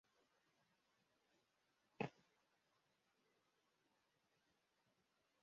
Imbwa yijimye isimbukira mu kirere iruhande rw'imbwa yirabura ku mucanga